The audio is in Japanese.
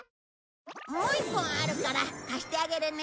もう一本あるから貸してあげるね。